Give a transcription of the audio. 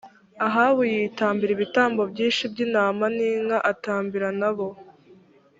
ahabu yitambira ibitambo byinshi by intama n inka atambira n abo